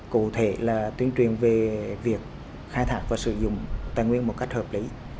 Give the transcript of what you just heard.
cụ thể là tuyên truyền về việc khai thác và sử dụng tài nguyên một cách hợp lý